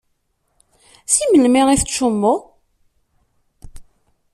Si melmi i tettcummuḍ?